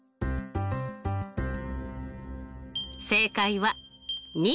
正解は２！